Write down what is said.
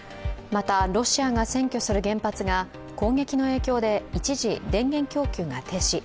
また、ロシアが占拠する原発が攻撃の影響で一時、電源供給が停止。